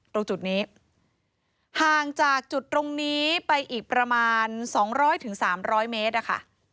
ตรงจุดนี้ห่างจากจุดตรงนี้ไปอีกประมาณ๒๐๐๓๐๐เมตรอะค่ะ